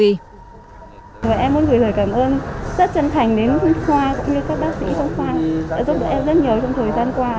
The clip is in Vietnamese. em muốn gửi lời cảm ơn rất chân thành đến khoa cũng như các bác sĩ trong khoa đã giúp em rất nhiều trong thời gian qua